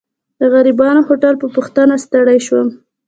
د غریبانه هوټل په پوښتنه ستړی شوم.